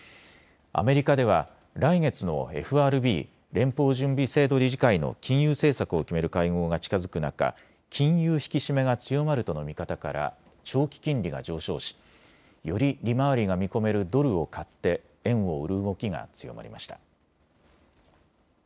アメリカでは来月のＦＲＢ・連邦準備制度理事会の金融政策を決める会合が近づく中、金融引き締めが強まるとの見方から長期金利が上昇しより利回りが見込めるドルを買って円を売る動きが強まりました。